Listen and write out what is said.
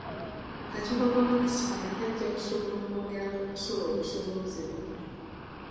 Akakiiko ka Munisipaali kajja kusobola okwongera ku musolo ogusooloozebwa.